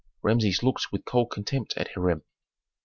Rameses looked with cold contempt at Hiram.